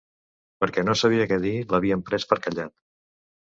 Perquè no sabia què dir, l'havien pres per callat